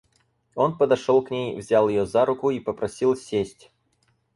Он подошел к ней, взял ее за руку и попросил сесть.